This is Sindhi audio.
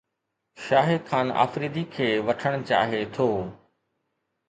شاهد خان آفريدي کي وٺڻ چاهي ٿو